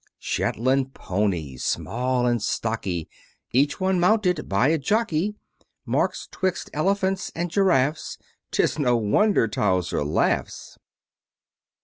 Shetland ponies small and stocky Each one mounted by a jockey March 'twixt Elephants and Giraffes; 'Tis no wonder Towser laughs.